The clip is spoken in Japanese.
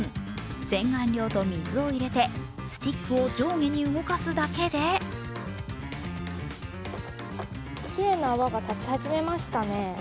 洗顔料と水を入れてスティックを上下に動かすだけできれいな泡が立ち始めましたね。